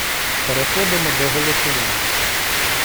Переходимо до голосування.